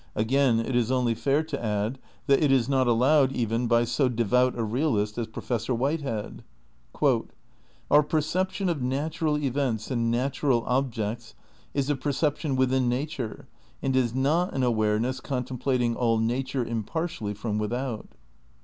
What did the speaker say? Again, it is only fair to add that it is not allowed even by so devout a realist as Professor Whitehead. "Our perception of natural events and natural objects is a per ception within nature, and is not an awareness contemplating all nature impartially from without."